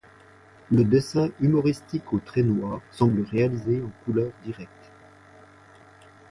Le dessin humoristique au trait noir semble réalisé en couleurs directes.